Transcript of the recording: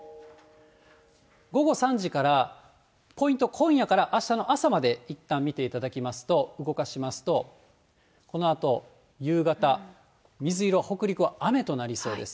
午後３時からポイント、今夜からあしたの朝までいったん見ていただきますと、動かしますと、このあと夕方、水色、北陸は雨となりそうです。